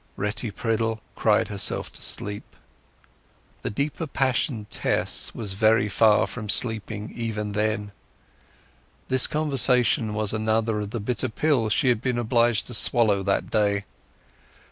Retty Priddle cried herself to sleep. The deeper passioned Tess was very far from sleeping even then. This conversation was another of the bitter pills she had been obliged to swallow that day.